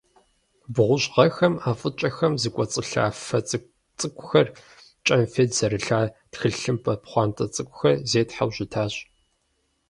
Бгъущӏ гъэхэм, ӏэфӏыкӏэхэр зыкӏуэцӏылъа фэ цӏу цӏыкӏухэр, кӏэнфет зэрылъа тхылъымпӏэ пхъуантэ цӏыкӏухэр зетхьэу щытащ.